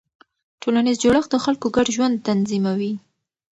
ټولنیز جوړښت د خلکو ګډ ژوند تنظیموي.